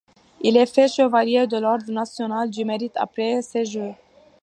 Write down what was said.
Il est fait chevalier de l'ordre national du Mérite après ces Jeux.